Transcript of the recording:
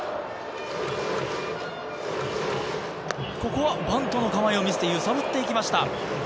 ここはバントの構えを見せて揺さぶってきました。